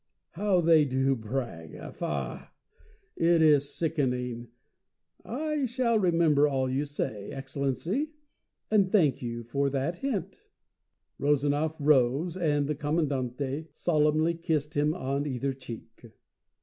How they do brag! Faugh! It is sickening. I shall remember all you say, Excellency; and thank you for the hint." Rezanov rose, and the Commandante solemnly kissed him on either cheek.